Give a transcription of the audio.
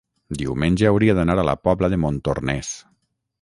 diumenge hauria d'anar a la Pobla de Montornès.